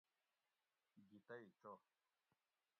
گی تئ چو